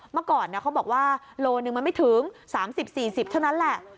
เมื่อก่อนเขาบอกว่าโลหนึ่งมันไม่ถึง๓๐๔๐เท่านั้นแหละ